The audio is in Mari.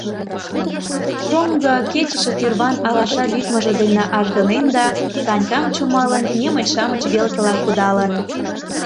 Шоҥго, кечыше тӱрван алаша лӱдмыжӧ дене ажгынен да, Санькам чумалын, немыч-шамыч велкыла кудалын.